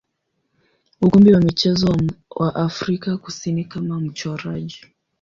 ukumbi wa michezo wa Afrika Kusini kama mchoraji.